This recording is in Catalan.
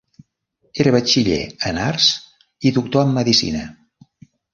Era batxiller en arts i doctor en medicina.